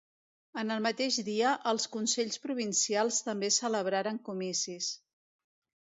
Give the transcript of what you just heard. En el mateix dia, els consells provincials també celebraren comicis.